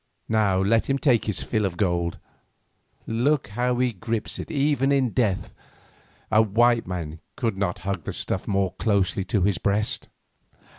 Now let him take his fill of gold; look how he grips it even in death, a white man could not hug the stuff more closely to his breast.